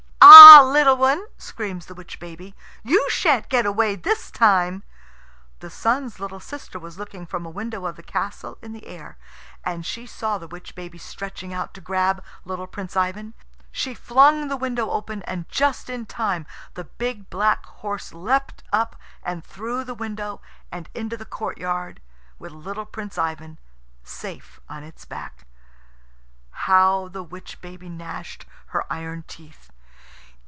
"Ah, little one," screams the witch baby, "you shan't get away this time!" The Sun's little sister was looking from a window of the castle in the sky, and she saw the witch baby stretching out to grab little Prince Ivan. She flung the window open, and just in time the big black horse leapt up, and through the window and into the courtyard, with little Prince Ivan safe on its back. How the witch baby gnashed her iron teeth!